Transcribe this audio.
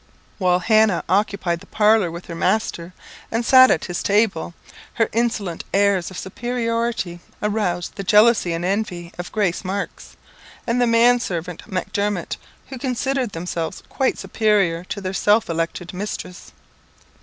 While Hannah occupied the parlour with her master, and sat at his table, her insolent airs of superiority aroused the jealousy and envy of Grace Marks, and the man servant, MacDermot; who considered themselves quite superior to their self elected mistress.